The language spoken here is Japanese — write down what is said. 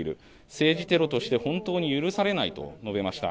政治テロとして本当に許されないと述べました。